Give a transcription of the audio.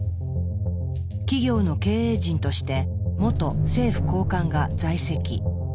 企業の経営陣として元政府高官が在籍。